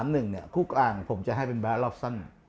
เนี่ยคู่กลางผมจะให้เป็นแบร์ทลอฟสัน